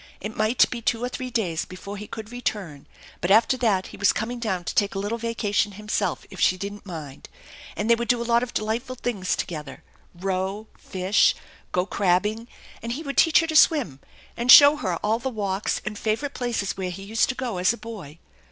It might be two or three days before he could return, but after that he was coming down to take a little vacation himself if she didn't mind. THE ENCHANTED BARN 231 and they would do a lot of delightful things together: row, fish, go crabbing, and he would teach her to swim and show her all the walks and favorite places where he used to go as a boy.